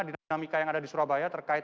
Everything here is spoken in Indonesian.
dinamika yang ada di surabaya terkait